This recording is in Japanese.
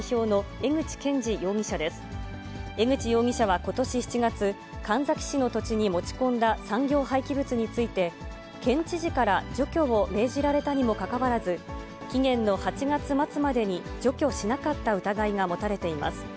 江口容疑者はことし７月、神埼市の土地に持ち込んだ産業廃棄物について、県知事から除去を命じられたにもかかわらず、期限の８月末までに除去しなかった疑いが持たれています。